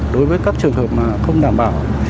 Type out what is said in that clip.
đối với các trường hợp không đảm bảo